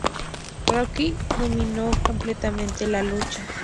Rocky dominó completamente la lucha.